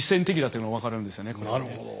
なるほど。